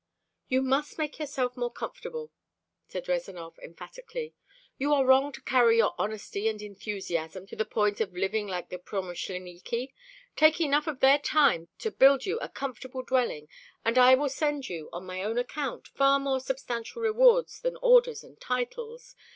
"You must make yourself more comfortable," said Rezanov emphatically. "You are wrong to carry your honesty and enthusiasm to the point of living like the promuschleniki. Take enough of their time to build you a comfortable dwelling, and I will send you, on my own account, far more substantial rewards than orders and titles.